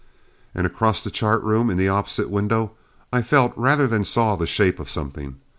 And across the chart room, in the opposite window, I felt rather than saw the shape of something.